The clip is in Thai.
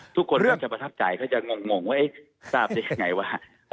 ทุกคนก็จะประทับใจเขาจะงงว่าทราบได้ยังไงว่า